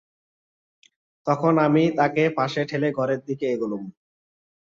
তখন আমি তাকে পাশে ঠেলে ঘরের দিকে এগোলুম।